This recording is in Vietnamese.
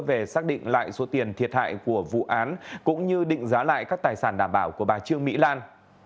về xác định lại số tiền thiệt hại của vụ án cũng như định giá lại các tài sản đảm bảo của bà trương mỹ lan